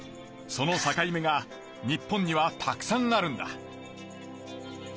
そのさかい目が日本にはたくさんあるんだ。